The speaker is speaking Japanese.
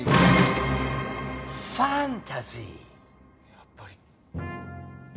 やっぱり。